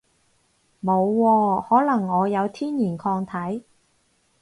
冇喎，可能我有天然抗體